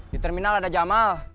di terminal ada jamal